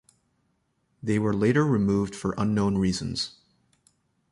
They were later removed for unknown reasons.